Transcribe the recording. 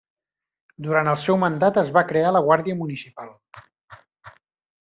Durant el seu mandat es va crear la Guàrdia Municipal.